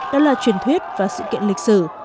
đó là truyền thuyết và sự kiện lịch sử